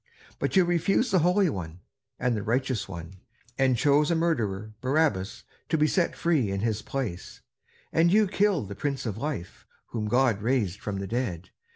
But you refused the Holy One and the Righteous One, and chose a murderer, Barabbas, to be set free in his place; and you killed the Prince of Life, whom God raised from the dead.